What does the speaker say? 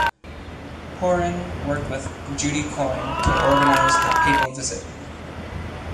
Horan worked with Judy Coyne to organise the papal visit.